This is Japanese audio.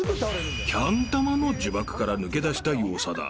［キャン玉の呪縛から抜け出したい長田］